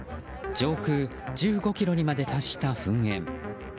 上空１５ｋｍにまで達した噴煙。